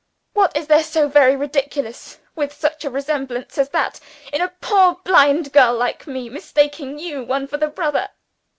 What is there so very ridiculous with such a resemblance as that in a poor blind girl like me mistaking you one for the other?